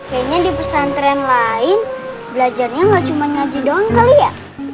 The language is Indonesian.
kayaknya di pesantren lain belajarnya gak cuma ngaji doang kali ya